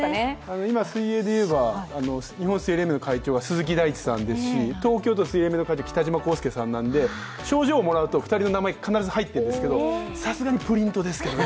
今、水泳で言えば、日本水泳連盟の会長が鈴木さんですし、東京都水泳連盟会長は北島康介さんなんですけど、賞状をもらうと２人の名前が入っているんですけれども、さすがにプリントですけどね